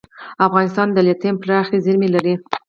افغانستان د لیتیم پراخې زیرمې لري.